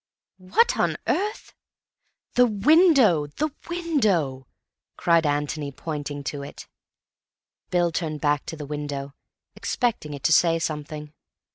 "What on earth—" "The window, the window!" cried Antony, pointing to it. Bill turned back to the window, expecting it to say something.